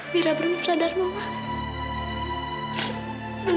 wira belum ter saddle mama